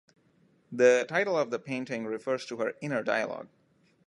The title of the painting refers to her inner dialogue.